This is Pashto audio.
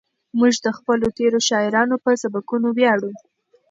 موږ د خپلو تېرو شاعرانو په سبکونو ویاړو.